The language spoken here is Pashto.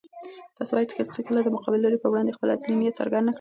تاسو بايد هيڅکله د مقابل لوري په وړاندې خپل اصلي نيت څرګند نه کړئ.